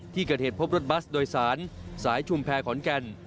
ที่เกิดเหตุพบรถบัสโดยสารสายชุมแพรขอนแก่น